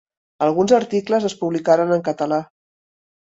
Alguns articles es publicaren en català.